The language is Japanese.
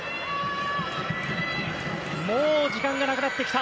もう時間がなくなってきた。